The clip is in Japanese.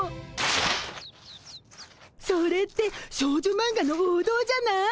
それって少女マンガの王道じゃない？